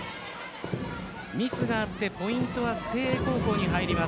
ミスがあってポイントは誠英高校に入ります。